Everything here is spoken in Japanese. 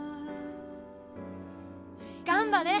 頑張れ！